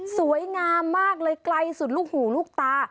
สวยงามมากเลยไกลสุดลูกหูลูกตา